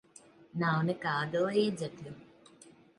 Nav nekādu līdzekļu.